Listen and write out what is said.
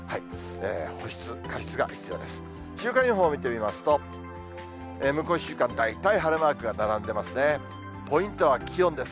保湿、加湿が必要です。